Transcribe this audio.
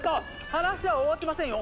話は終わってませんよ！